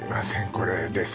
これです